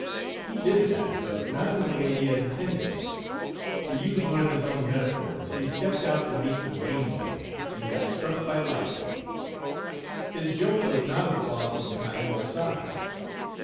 He did that, but not in the way he had intended. To use one of his own metaphors, he stepped out to meet the rainbow and got struck by lightning. His joke was not of the Boston kind or size.